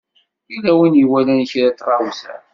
Yella win i iwalan kra n tɣawsa?